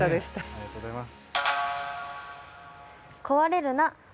ありがとうございます。